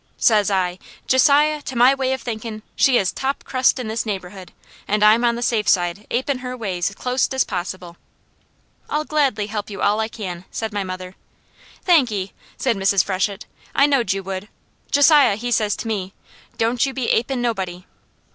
Says I, 'Josiah, to my way of thinkin', she is top crust in this neighbourhood, and I'm on the safe side apin' her ways clost as possible.'" "I'll gladly help you all I can," said my mother. "Thanky!" said Mrs. Freshett. "I knowed you would. Josiah he says to me, 'Don't you be apin' nobody.'